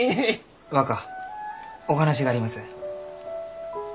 若お話があります。